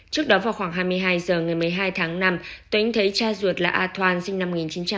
trước đó vào khoảng hai mươi hai giờ ngày một mươi hai tháng năm tuyênh thấy cha ruột là a thoan sinh năm một nghìn chín trăm sáu mươi bảy